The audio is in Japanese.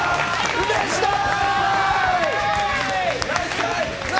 うれしい！